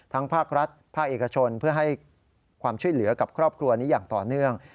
ภาครัฐภาคเอกชนเพื่อให้ความช่วยเหลือกับครอบครัวนี้อย่างต่อเนื่อง